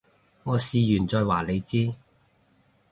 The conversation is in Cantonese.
我試完再話你知